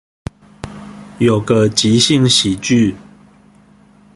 有個即興喜劇